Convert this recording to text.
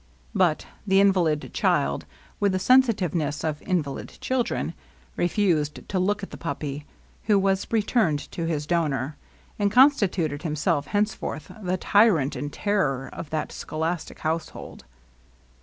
But the invalid child, with the sensitiveness of invalid children, refused to look at the puppy, who was re turned to his donor, and constituted himself hence forth the tyrant and terror of that scholastic house hold.